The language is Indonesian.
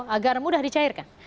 agar mudah dicairkan